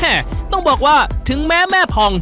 แหมต้องบอกว่าถึงแม่แม่พอง